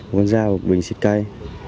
một con dao bình xịt cây